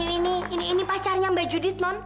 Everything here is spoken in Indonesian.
ini ini ini pacarnya mbak judita